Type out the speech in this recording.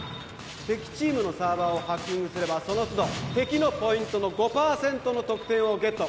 敵チームのサーバーをハッキングすればその都度敵のポイントの５％の得点をゲット